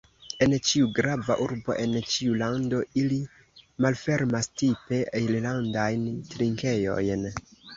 En ĉiu grava urbo, en ĉiu lando, ili malfermas “tipe irlandajn trinkejojn.